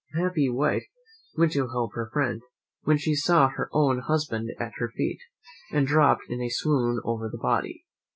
The unhappy wife went to help her friend, when she saw her own husband at her feet, and dropped in a swoon upon the body.